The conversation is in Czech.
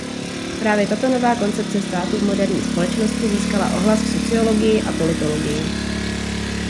Právě tato nová koncepce státu v moderní společnosti získala ohlas v sociologii a politologii.